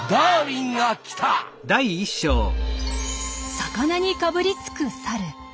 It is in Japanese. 魚にかぶりつくサル。